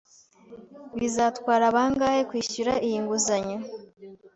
Bizatwara bangahe kwishyura iyi nguzanyo?